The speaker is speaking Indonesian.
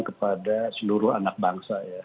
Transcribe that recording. kepada seluruh anak bangsa ya